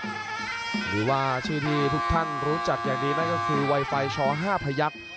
หรือว่าชื่อที่ทุกท่านรู้จักอย่างดีนั่นก็คือไวไฟช๕พยักษ์